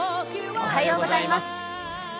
おはようございます。